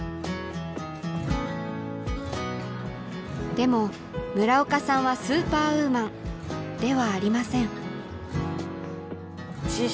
でも村岡さんはスーパーウーマンではありません。